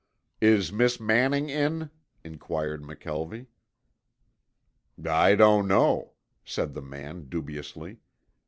"Is Miss Manning in?" inquired McKelvie. "I don't know," said the man, dubiously.